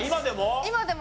今でも？